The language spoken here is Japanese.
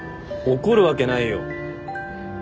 怒るわけないよ。